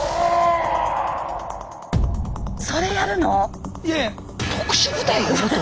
それやるの⁉